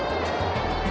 jangan makan aku